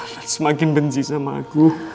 dan semakin benci sama aku